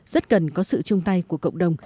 rất cần có sự chung tay của cộng đồng